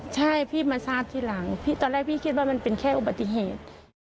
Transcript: ใช่พี่มาทราบทีหลังตอนแรกพี่คิดว่ามันเป็นแค่อุบัติเหตุ